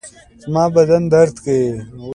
زما بدن درد کوي